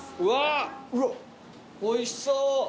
うわおいしそう。